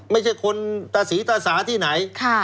ไม่เช่นคนสีตาสาที่ไหน